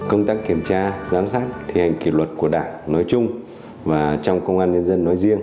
công tác kiểm tra giám sát và quá trình thực hiện kỷ luật của đảng nói chung và trong công an nhân dân nói riêng